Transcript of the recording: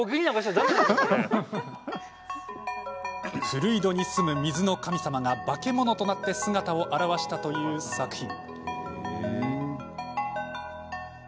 古井戸に住む水の神様が化け物となって姿を現したという作品。